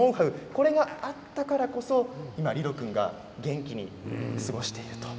これがあったからこそ今リロ君が元気に過ごしていると。